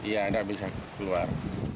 iya nggak bisa keluar